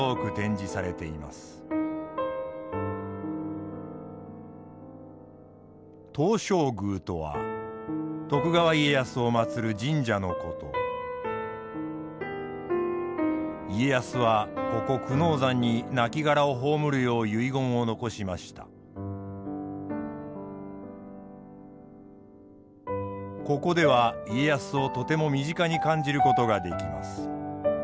ここでは家康をとても身近に感じることができます。